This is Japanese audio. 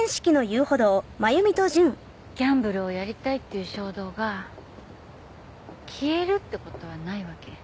ギャンブルをやりたいっていう衝動が消えるってことはないわけ。